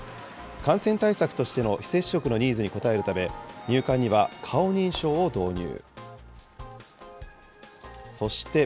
感染対策としての非接触のニーズに応えるため、入館には顔認証を導入。